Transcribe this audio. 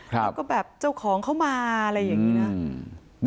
แล้วก็แบบเจ้าของเข้ามาอะไรอย่างนี้นะ